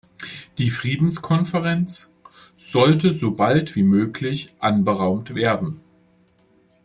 Die Friedenskonferenz sollte so bald wie möglich anberaumt werden.